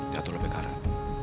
dato' lebih karen